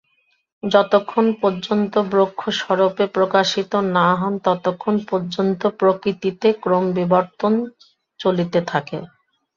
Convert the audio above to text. যতক্ষণ পর্যন্ত ব্রহ্ম স্বরূপে প্রকাশিত না হন, ততক্ষণ পর্যন্ত প্রকৃতিতে ক্রমবিবর্তন চলিতে থাকে।